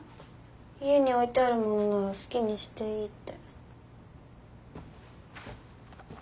家に置いてあるものなら好きにしていいって。